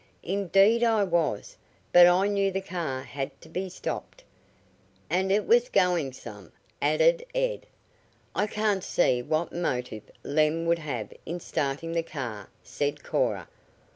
"Indeed I was, but I knew the car had to be stopped." "And it was going some," added Ed. "I can't see what motive Lem would have in starting the car," said Cora.